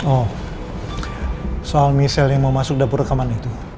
oh soal misal yang mau masuk dapur rekaman itu